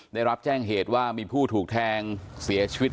ได้รับแจ้งเหตุว่ามีผู้ถูกแทงเสียชีวิต